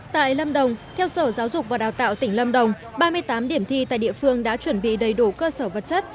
tại lâm đồng theo sở giáo dục và đào tạo tỉnh lâm đồng ba mươi tám điểm thi tại địa phương đã chuẩn bị đầy đủ cơ sở vật chất